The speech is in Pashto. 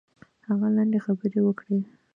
هغه لنډې خبرې وکړې.